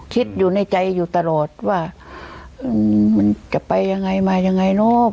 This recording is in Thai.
คิดอยู่ในใจอยู่ตลอดว่ามันจะไปยังไงมายังไงเนอะ